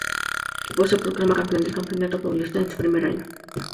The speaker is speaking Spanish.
Con este equipo se proclama campeón del Campeonato Paulista en su primer año.